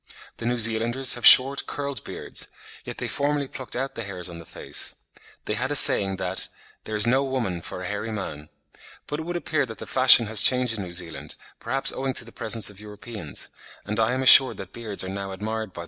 The New Zealanders have short, curled beards; yet they formerly plucked out the hairs on the face. They had a saying that "there is no woman for a hairy man;" but it would appear that the fashion has changed in New Zealand, perhaps owing to the presence of Europeans, and I am assured that beards are now admired by the Maories.